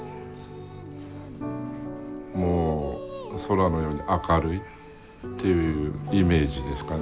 もう空のように明るいっていうイメージですかね。